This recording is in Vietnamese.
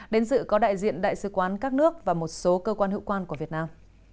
đến dự có đại diện đại sứ quán các nước và một số cơ quan hữu quan của việt nam